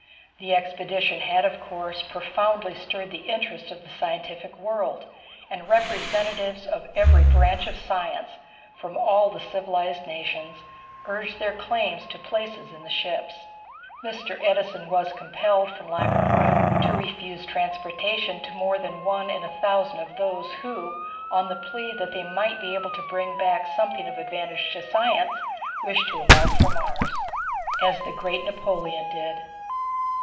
The expedition had, of course, profoundly stirred the interest of the scientific world, and representatives of every branch of science, from all the civilized nations, urged their claims to places in the ships. Mr. Edison was compelled, from lack of room, to refuse transportation to more than one in a thousand of those who now, on the plea that they might be able to bring back something of advantage to science, wished to embark for Mars. As the Great Napoleon Did.